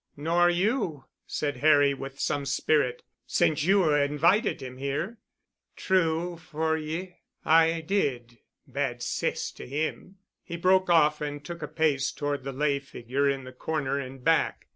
"Nor you," said Harry with, some spirit, "since you invited him here——" "True for ye—I did—bad cess to him." He broke off and took a pace toward the lay figure in the corner and back.